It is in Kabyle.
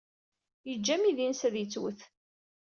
Yeǧǧa amidi-nnes ad yettwet.